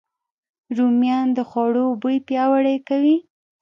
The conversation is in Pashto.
رومیان د خوړو بوی پیاوړی کوي